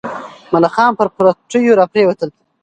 ملخان پر پټیو راپرېوتل.